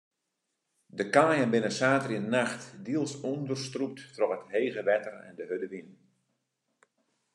De kaaien binne saterdeitenacht diels ûnderstrûpt troch it hege wetter en de hurde wyn.